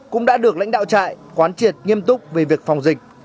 cũng đã được lãnh đạo trại quán triệt nghiêm túc về việc phòng dịch